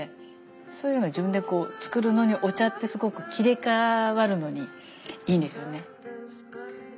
そういうの自分で作るのにお茶ってすごく切り替わるのにいいんですよね。